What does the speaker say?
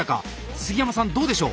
杉山さんどうでしょう？